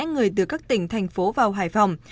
người từ các tỉnh thành phố vào hải phòng